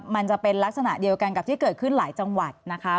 มันจะเป็นลักษณะเดียวกันกับที่เกิดขึ้นหลายจังหวัดนะคะ